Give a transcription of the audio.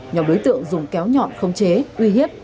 nhóm đối tượng dùng kéo nhọn không chế uy hiếp